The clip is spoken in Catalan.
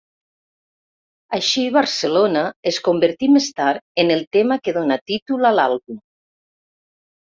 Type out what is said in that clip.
Així, 'Barcelona' es convertí més tard en el tema que donà títol a l'àlbum.